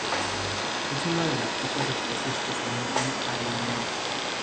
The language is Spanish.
Es una de las pocas especies que se nombra a Linneo.